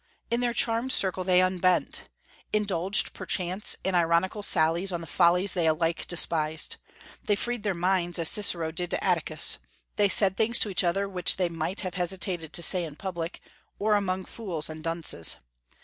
In their charmed circle they unbent; indulged, perchance, in ironical sallies on the follies they alike despised. They freed their minds, as Cicero did to Atticus; they said things to each other which they might have hesitated to say in public, or among fools and dunces.